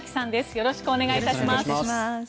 よろしくお願いします。